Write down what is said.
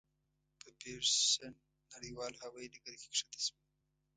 په پېرسن نړیوال هوایي ډګر کې کښته شوه.